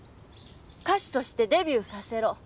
歌手としてデビューさせろ。